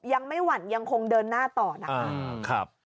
ยังไม่หวั่นยังคงเดินหน้าต่อนะคะ